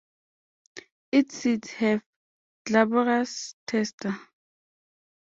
Its seeds have glabrous testa.